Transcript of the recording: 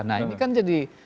nah ini kan jadi